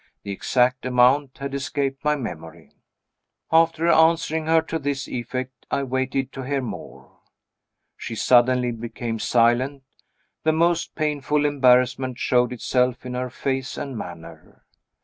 The exact amount had escaped my memory. After answering her to this effect, I waited to hear more. She suddenly became silent; the most painful embarrassment showed itself in her face and manner.